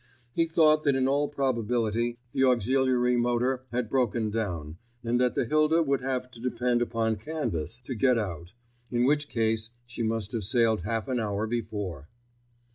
He thought that in all probability the auxiliary motor had broken down, and that the Hilda would have to depend upon canvas to get out, in which case she must have sailed half an hour before.